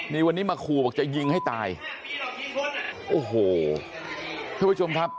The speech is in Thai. นี่วันนี้มาขู่บอกจะยิงให้ตายโอ้โหทุกผู้ชมครับ